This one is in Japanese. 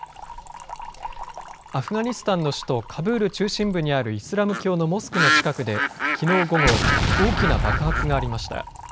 アフガニスタンの首都カブール中心部にあるイスラム教のモスクの近くできのう午後、大きな爆発がありました。